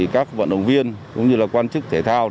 các vận động viên cũng như là quan chức thể thao